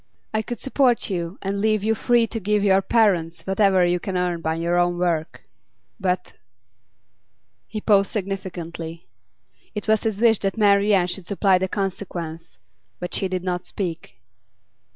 I could support you and leave you free to give your parents whatever you can earn by your own work. But ' He paused significantly. It was his wish that Marian should supply the consequence, but she did not speak.